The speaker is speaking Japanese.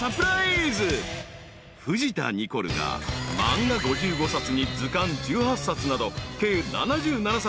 ［藤田ニコルが漫画５５冊に図鑑１８冊など計７７冊を爆買い。